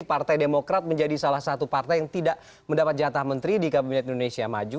partai demokrat menjadi salah satu partai yang tidak mendapat jatah menteri di kabinet indonesia maju